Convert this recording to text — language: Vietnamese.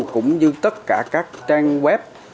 cũng như tất cả các trang web